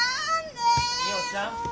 みよちゃん？